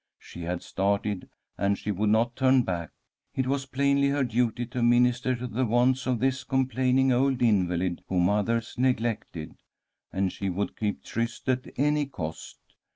She had started and she would not turn back. It was plainly her duty to minister to the wants of this complaining old invalid whom others neglected, and she would keep tryst at any cost.